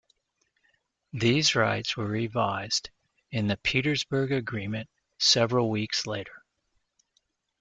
These rights were revised in the Petersberg Agreement several weeks later.